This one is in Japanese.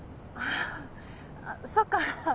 あそっか。